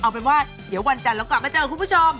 เดี๋ยววันจันทร์แล้วกลับมาเจอคุณผู้ชม